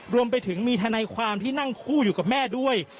รวมไปถึงมีทนายความที่นั่งคู่อยู่กับแม่ด้วย